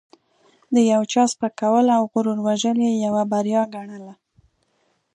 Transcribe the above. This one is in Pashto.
د یو چا سپکول او غرور وژل یې یوه بریا ګڼله.